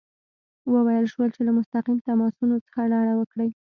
وویل شول چې له مستقیم تماسونو څخه ډډه وکړي.